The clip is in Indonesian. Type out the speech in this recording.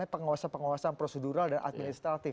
pengawasan pengawasan prosedural dan administratif